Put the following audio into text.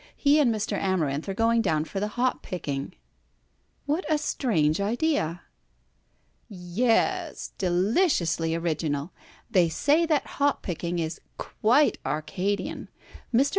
He and Mr. Amarinth are going down for the hop picking." "What a strange idea!" "Yes, deliciously original. They say that hop picking is quite Arcadian. Mr.